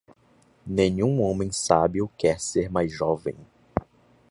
Nenhum homem sábio quer ser mais jovem.